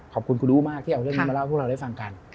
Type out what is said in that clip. ขอบคุณคุณอู้มากที่เอาเรื่องนี้มาเล่าให้พวกเราได้ฟังกัน